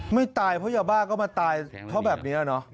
ไม่ตายเพราะยาบ้าก็มาตายเขาแบบนี้เนอะ